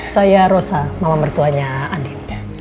saya rosa mama mertuanya andi